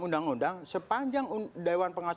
undang undang sepanjang dewan pengawas